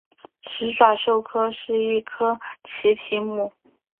始爪兽科是一科奇蹄目。